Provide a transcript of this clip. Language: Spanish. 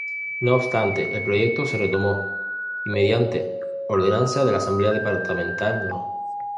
No obstante, el proyecto se retomó y mediante Ordenanza de la asamblea Departamental No.